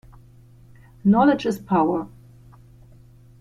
Knowledge is power.